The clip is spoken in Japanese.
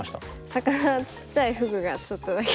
魚ちっちゃいフグがちょっとだけ。